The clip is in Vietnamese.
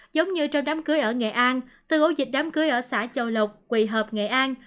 giống như trong đám cưới ở nghệ an từ ổ dịch đám cưới ở xã châu lộc quỳ hợp nghệ an